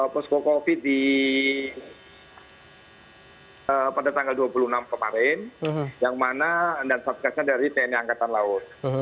posko covid pada tanggal dua puluh enam kemarin yang mana dan satgasnya dari tni angkatan laut